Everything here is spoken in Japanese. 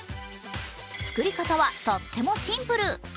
作り方はとってもシンプル。